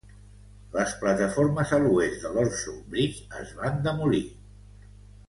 Les plataformes a l'oest del Horseshoe Bridge es van demolir.